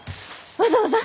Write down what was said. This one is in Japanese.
わざわざ？